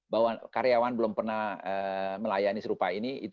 bahwa karyawan belum pernah melayani serupa ini